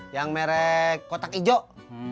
yang merek kotak hijau